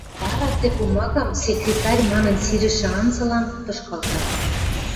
Вара тӹ пумагам «Секретарь»манын сирӹшӹ анзылан тышкалта.